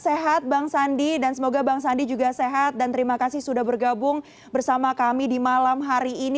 sehat bang sandi dan semoga bang sandi juga sehat dan terima kasih sudah bergabung bersama kami di malam hari ini